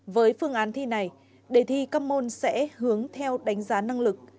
với phương án thi này đề thi các môn sẽ hướng theo đánh giá năng lực